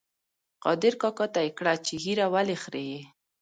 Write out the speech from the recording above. قادر کاکا ته یې کړه چې ږیره ولې خرېیې؟